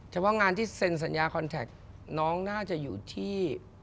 เฉพาะงานที่เซ็นสัญญาคอนแท็กน้องน่าจะอยู่ที่